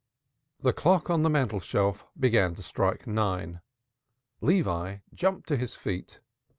The clock on the mantelshelf began to strike nine. Levi jumped to his feet.